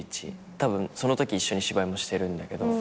たぶんそのとき一緒に芝居もしてるんだけど。